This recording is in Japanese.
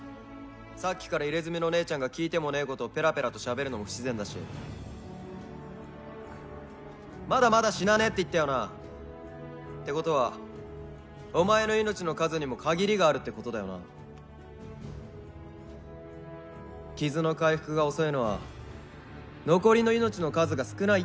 さっきから入れ墨の姉ちゃんが聞いてもねえことをペラペラとしゃべるのも不自然だしまだまだ死なねえって言ったよな？ってことはお前の命の数にも限りがあるってことだよな傷の回復が遅いのは残りの命の数が少ないってことなんじゃないのか？